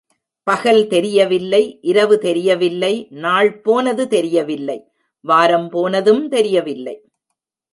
பகல் தெரியவில்லை இரவு தெரியவில்லை நாள் போனது தெரியவில்லை வாரம் போனதும் தெரியவில்லை.